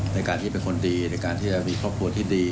ในการที่เป็นคนดีในการที่จะมีครอบครัวที่ดี